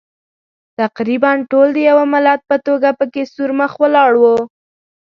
تقریباً ټول د یوه ملت په توګه پکې سور مخ ولاړ وو.